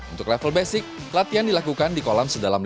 untuk level basic latihan dilakukan di kolam sedalam lima meter